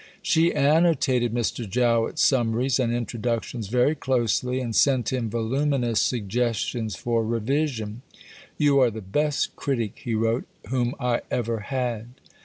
She annotated Mr. Jowett's summaries and introductions very closely, and sent him voluminous suggestions for revision. "You are the best critic," he wrote, "whom I ever had."